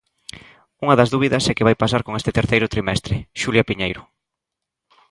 Unha das dúbidas é que vai pasar con este terceiro trimestre, Xulia Piñeiro.